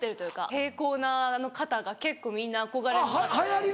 平行な肩が結構みんな憧れの肩で。